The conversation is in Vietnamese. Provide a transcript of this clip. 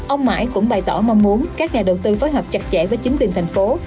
ông mãi cũng bày tỏ mong muốn các nhà đầu tư phối hợp chặt chẽ với chính quyền thành phố